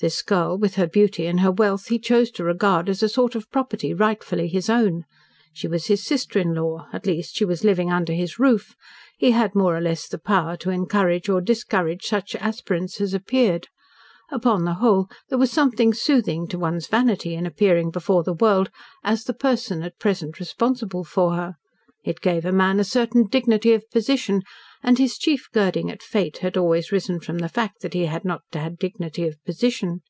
This girl, with her beauty and her wealth, he chose to regard as a sort of property rightfully his own. She was his sister in law, at least; she was living under his roof; he had more or less the power to encourage or discourage such aspirants as appeared. Upon the whole there was something soothing to one's vanity in appearing before the world as the person at present responsible for her. It gave a man a certain dignity of position, and his chief girding at fate had always risen from the fact that he had not had dignity of position.